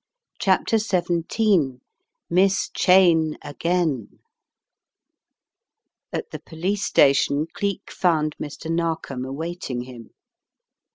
CHAPTER XVII MISS CHEYNE AGAIN AT THE police station Cleek found Mr. A% Narkom awaiting him.